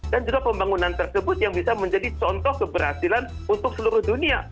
dan juga pembangunan tersebut yang bisa menjadi contoh keberhasilan untuk seluruh dunia